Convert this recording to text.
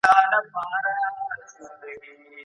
چي تر قیامته یې له خولې د زهرو زور کموي